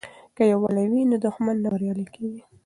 که یووالي وي نو دښمن نه بریالی کیږي.